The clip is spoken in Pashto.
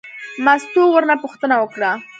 مستو ورنه پوښتنه وکړه.